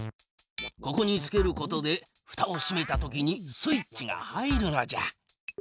ここにつけることでふたをしめたときにスイッチが入るのじゃ。